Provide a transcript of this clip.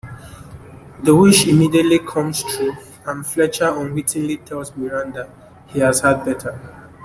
The wish immediately comes true, and Fletcher unwittingly tells Miranda he has had better.